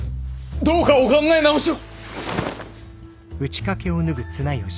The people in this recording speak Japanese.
どうかお考え直しを！